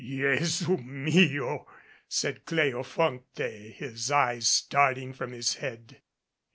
"Jesu mio!" said Cleofonte, his eyes starting from his head.